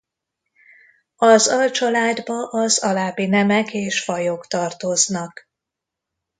Az alcsaládba az alábbi nemek és fajok tartoznak